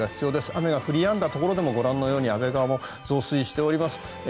雨が降りやんだところでもご覧のように安倍川も増水しております。